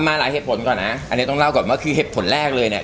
มาหลายเหตุผลก่อนนะอันนี้ต้องเล่าก่อนว่าคือเหตุผลแรกเลยเนี่ย